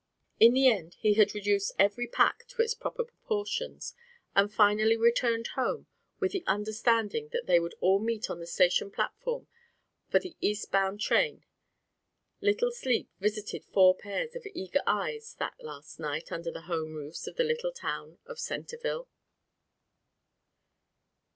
In the end he had reduced every pack to its proper proportions; and finally returned home with the understanding that they would all meet on the station platform for the eastbound train. Little sleep visited four pairs of eager eyes that last night under the home roofs in the little town of Centerville.